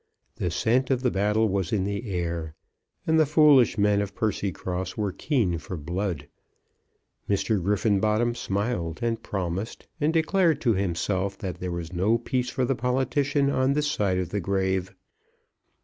The scent of the battle was in the air, and the foolish men of Percycross were keen for blood. Mr. Griffenbottom smiled and promised, and declared to himself that there was no peace for the politician on this side the grave.